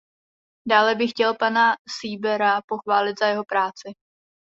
Dále bych chtěl pana Seebera pochválit za jeho práci.